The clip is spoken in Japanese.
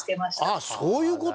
ああそういう事！